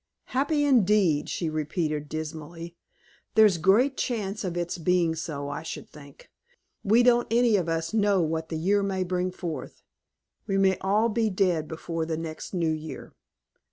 "Happy, indeed!" she repeated, dismally. "There's great chance of its being so, I should think. We don't any of us know what the year may bring forth. We may all be dead before the next New Year."